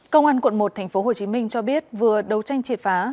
công an quận một tp hcm cho biết vừa đấu tranh triệt phá